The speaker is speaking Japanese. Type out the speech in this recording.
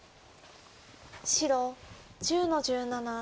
白１０の十七。